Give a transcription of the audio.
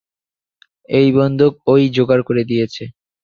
এই বন্দুক ওই যোগাড় করে দিয়েছে।